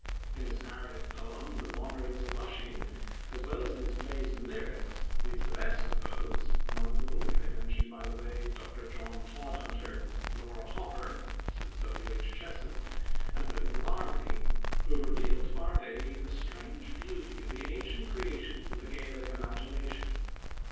In his narrative poem, "The Wanderings of Usheen", as well as in his plays and lyrics, he is of the best of those among them we may mention by the way Dr. John Todhunter, Nora Hopper (Mrs. W.H. Chesson), and William Larminie who have revealed to our day the strange beauty of the ancient creations of the Gaelic imagination.